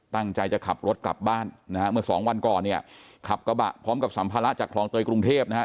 ตั้งใจจะขับรถกลับบ้านนะฮะเมื่อสองวันก่อนเนี่ยขับกระบะพร้อมกับสัมภาระจากคลองเตยกรุงเทพนะฮะ